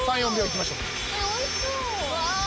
おいしそう。